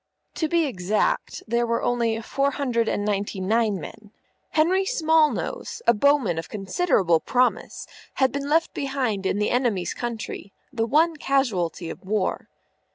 To be exact, there were only four hundred and ninety nine men. Henry Smallnose, a bowman of considerable promise, had been left behind in the enemy's country, the one casualty of war.